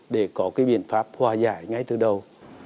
để có biện pháp hòa giải ngay từ đầu